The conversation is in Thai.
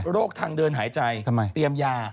ทางเดินหายใจเตรียมยา